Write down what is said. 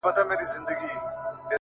ساه لرم چي تا لرم گراني څومره ښه يې ته